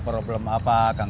operasi dan suku ya kan